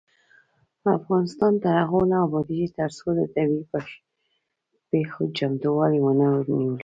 افغانستان تر هغو نه ابادیږي، ترڅو د طبيعي پیښو چمتووالی ونه نیول شي.